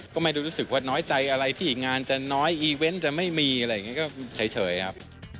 ก็ไม่ได้รู้สึกว่าน้อยใจอะไรที่งานจะน้อยอีเวนต์จะไม่มีอะไรอย่างนี้ก็เฉยครับ